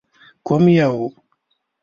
_کوم يو؟